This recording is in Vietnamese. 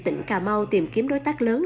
tỉnh cà mau tìm kiếm đối tác lớn